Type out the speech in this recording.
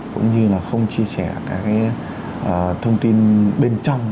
cũng như là không chia sẻ các cái thông tin bên trong